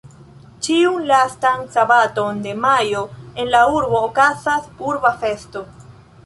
Ĉiun lastan sabaton de majo en la urbo okazas Urba Festo.